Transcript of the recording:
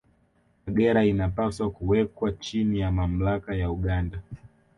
Kagera inapaswa kuwekwa chini ya mamlaka ya Uganda